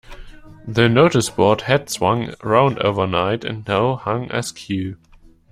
The noticeboard had swung round overnight, and now hung askew.